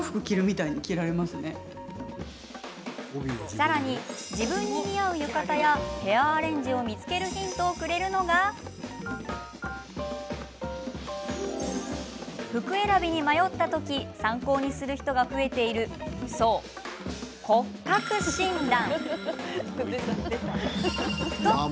さらに自分に似合う浴衣やヘアアレンジを見つけるヒントをくれるのが服選びに迷った時参考にする人が増えているそう、骨格診断。